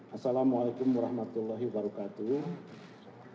assalamu alaikum warahmatullahi wabarakatuh